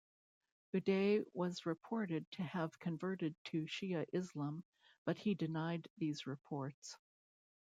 Uday was reported to have converted to Shia Islam, but he denied these reports.